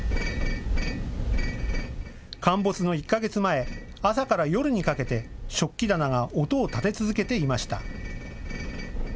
陥没の１か月前、朝から夜にかけて食器棚が音を立て続けていました。